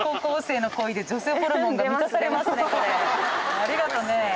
ありがとうね。